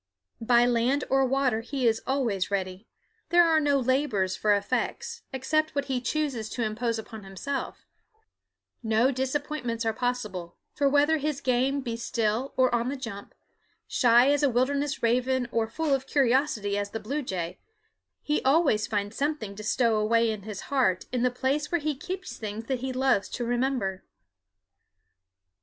By land or water he is always ready; there are no labors for effects, except what he chooses to impose upon himself; no disappointments are possible, for whether his game be still or on the jump, shy as a wilderness raven or full of curiosity as a blue jay, he always finds something to stow away in his heart in the place where he keeps things that he loves to remember.